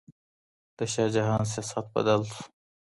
د شاه جهان سیاست بدل سو